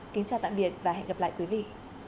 kính chào tạm biệt và hẹn gặp lại quý vị